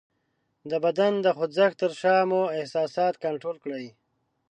د بدن د خوځښت تر شا مو احساسات کنټرول کړئ :